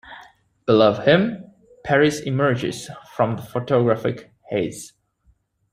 Below him, Paris emerges from the photographic haze.